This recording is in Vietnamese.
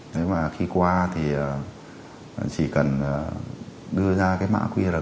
nếu mà khi qua thì chỉ cần đưa ra cái mã